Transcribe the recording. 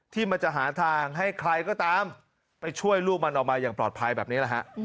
ที่มันจะหาทางให้ใครก็ตามไปช่วยลูกมันออกมาอย่างปลอดภัยแบบนี้แหละฮะ